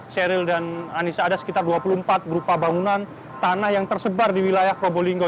sheryl dan anissa ada sekitar dua puluh empat berupa bangunan tanah yang tersebar di wilayah probolinggo